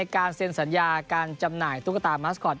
การเซ็นสัญญาการจำหน่ายตุ๊กตามัสคอต